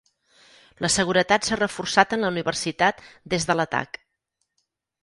La seguretat s'ha reforçat en la universitat des de l'atac.